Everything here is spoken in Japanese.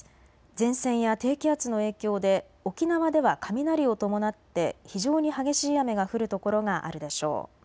前線や低気圧の影響で沖縄では雷を伴って非常に激しい雨が降る所があるでしょう。